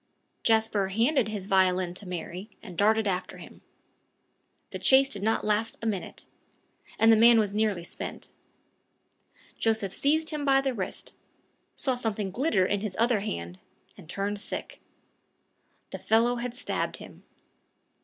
Jasper handed his violin to Mary, and darted after him. The chase did not last a minute; the man was nearly spent. Joseph seized him by the wrist, saw something glitter in his other hand, and turned sick. The fellow had stabbed him.